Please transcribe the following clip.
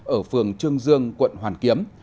ở phường trương dương quận hoàn kiếm